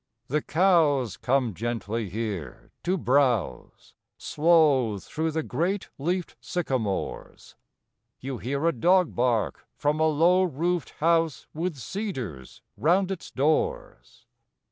The cows come gently here to browse, Slow through the great leafed sycamores; You hear a dog bark from a low roofed house With cedars round its doors.